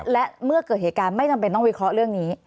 และเมื่อเกิดเหตุการณ์ไม่จำเป็นต้องวิเคราะห์เรื่องนี้